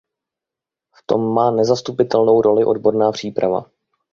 V tom má nezastupitelnou roli odborná příprava.